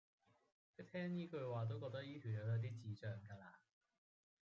一聽依句話都覺得依條友有啲智障咖啦